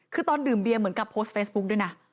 คือตอนดื่มเบียเหมือนกับโพสต์เฟซบุ๊กด้วยนะ